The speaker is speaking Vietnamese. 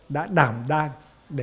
đã đảm đang